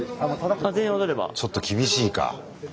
ちょっと厳しいか。